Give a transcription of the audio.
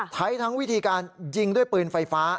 ทั้งวิธีการยิงด้วยปืนไฟฟ้า